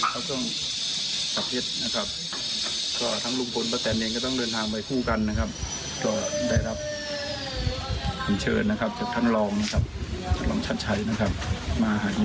พร้อมให้ความร่วมร่วมมือกับตรรวจอย่างเต็มที่